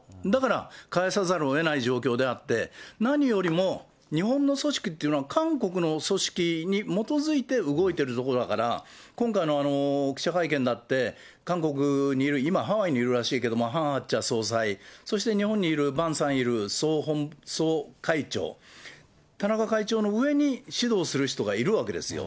だから返さざるをえない状況であって、何よりも、日本の組織っていうのは韓国の組織に基づいて動いてる所だから、今回の記者会見だって、韓国にいる、今ハワイにいるらしいけど、ハン・ハクチャ総裁、そして日本にいるバン・サンイル総会長、田中会長の上に指導する人がいるわけですよ。